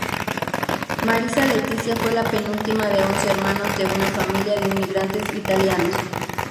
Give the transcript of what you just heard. Marisa Letícia fue la penúltima de once hermanos de una familia de inmigrantes italianos.